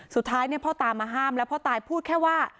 สุดท้ายพ่อตามาห้ามแล้วพ่อตายพูดแค่ว่า